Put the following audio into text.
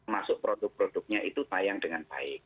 masuk produk produknya itu tayang dengan baik